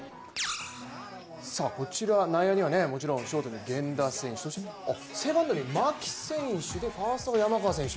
こちら、内野にはもちろんショートに源田選手、そして牧選手でファーストが山川選手